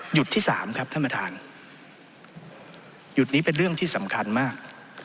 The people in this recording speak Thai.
ที่สามครับท่านประธานหยุดนี้เป็นเรื่องที่สำคัญมาก